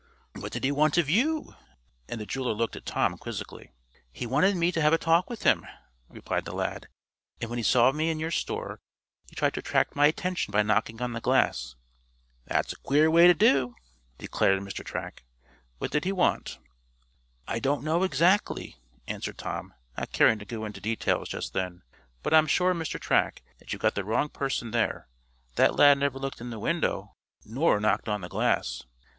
"What did he want of you?" and the jeweler looked at Tom, quizzically. "He wanted to have a talk with me," replied the lad, "and when he saw me in your store, he tried to attract my attention by knocking on the glass." "That's a queer way to do," declared Mr. Track. "What did he want?" "I don't know exactly," answered Tom, not caring to go into details just then. "But I'm sure, Mr. Track, that you've got the wrong person there. That lad never looked in the window, nor knocked on the glass."